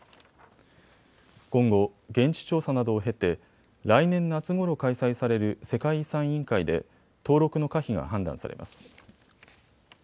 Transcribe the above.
今後、現地調査などを経て来年夏ごろ開催される世界遺産委員会で登録の可否が判断されます。